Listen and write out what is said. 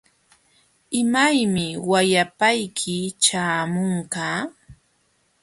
¿Imaymi wayapayki ćhaamunqa?